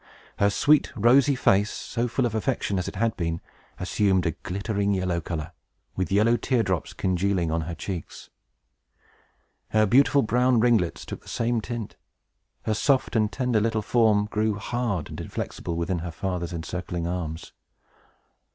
Her sweet, rosy face, so full of affection as it had been, assumed a glittering yellow color, with yellow tear drops congealing on her cheeks. Her beautiful brown ringlets took the same tint. Her soft and tender little form grew hard and inflexible within her father's encircling arms.